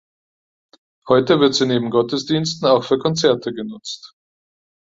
Heute wird sie neben Gottesdiensten auch für Konzerte genutzt.